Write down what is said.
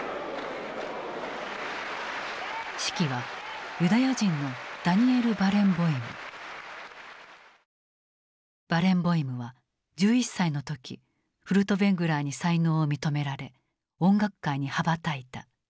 指揮はユダヤ人のバレンボイムは１１歳の時フルトヴェングラーに才能を認められ音楽界に羽ばたいた。